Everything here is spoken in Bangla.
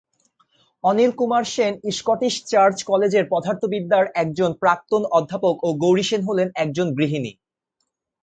অনিল কুমার সেন স্কটিশ চার্চ কলেজের পদার্থবিদ্যার একজন প্রাক্তন অধ্যাপক এবং গৌরী সেন হলেন একজন গৃহিণী।